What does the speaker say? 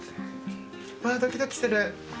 わあドキドキする。